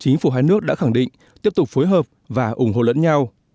chính phủ hai nước đã khẳng định tiếp tục phối hợp và ủng hộ lẫn nhau